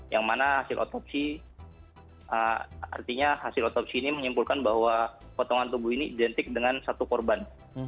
yang mana hasil otopsi artinya hasil otopsi ini menyimpulkan bahwa potongan tubuh ini identik dengan satu korban